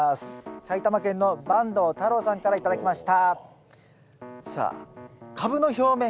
埼玉県の坂東太郎さんから頂きました。